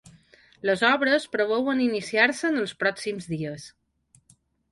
Les obres preveuen iniciar-se en els pròxims dies.